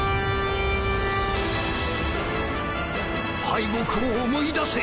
敗北を思い出せ